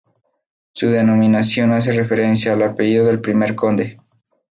Su denominación hace referencia al apellido del primer conde.